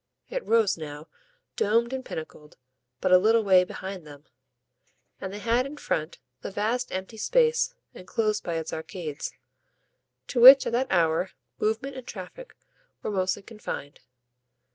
It rose now, domed and pinnacled, but a little way behind them, and they had in front the vast empty space, enclosed by its arcades, to which at that hour movement and traffic were mostly confined.